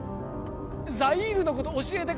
ザイールのこと教えてください